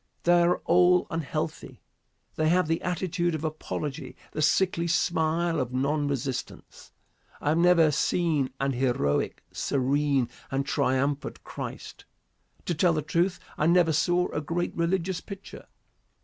They are all unhealthy. They have the attitude of apology, the sickly smile of non resistance. I have never seen an heroic, serene and triumphant Christ. To tell the truth, I never saw a great religious picture.